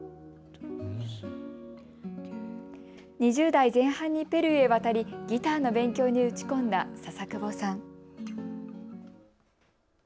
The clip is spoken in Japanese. ２０代前半にペルーへ渡り、ギターの勉強に打ち込んだ笹久保さん。